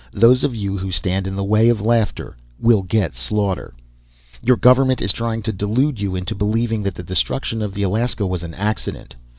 Those of you who stand in the way of laughter will get slaughter. "Your government is trying to delude you into believing that the destruction of the Alaska was an accident.